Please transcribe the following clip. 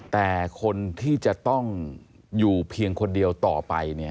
แต่คนที่จะต้องอยู่เพียงคนเดียวต่อไป